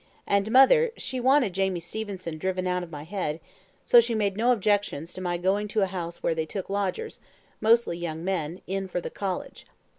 And mother, she wanted Jamie Stevenson driven out of my head, so she made no objections to my going to a house where they took lodgers, mostly young men, in for the college.